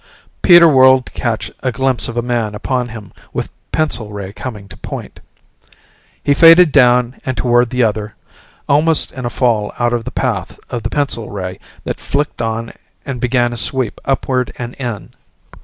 Peter whirled to catch a glimpse of a man upon him with pencil ray coming to point. He faded down and toward the other, almost in a fall out of the path of the pencil ray that flicked on and began a sweep upward and in.